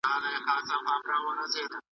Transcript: سم معلومات سم انتخاب رامنځته کوي.